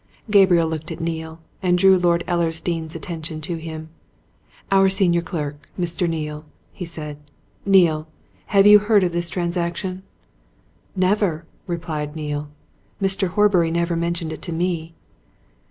Gabriel looked at Neale, and drew Lord Ellersdeane's attention to him. "Our senior clerk Mr. Neale," he said. "Neale have you heard of this transaction?" "Never!" replied Neale. "Mr. Horbury never mentioned it to me."